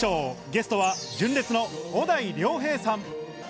ゲストは純烈の小田井涼平さん。